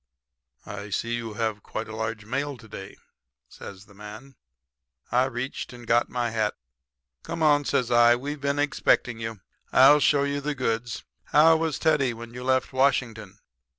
"'I see you have quite a large mail to day,' says the man. "I reached and got my hat. "'Come on,' says I. 'We've been expecting you. I'll show you the goods. How was Teddy when you left Washington?'